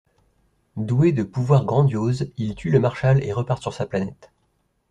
Doué de pouvoirs grandioses, il tue le Marshal et repart sur sa planète.